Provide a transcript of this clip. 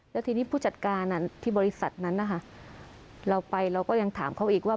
แล้วทีนี้ผู้จัดการที่บริษัทนั้นนะคะเราไปเราก็ยังถามเขาอีกว่า